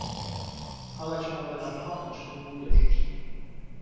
Калач иногда так пахнет, что не удержишься.